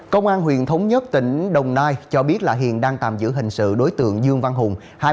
công an huyện thống nhất tỉnh đồng nai cho biết là hiện đang tạm giữ hình sự đối tượng dương văn hùng